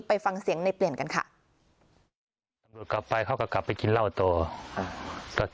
ไปฟังเสียงในเปลี่ยนกันค่ะตำรวจกลับไปเขาก็กลับไปกินเหล้าโต